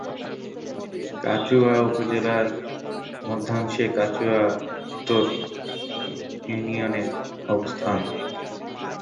কচুয়া উপজেলার মধ্যাংশে কচুয়া উত্তর ইউনিয়নের অবস্থান।